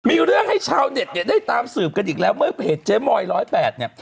มีเรื่องให้ชาวเน็ตเนี่ยได้ตามสืบกันอีกแล้วเมื่อเพจเจ๊มอย๑๐๘เนี่ย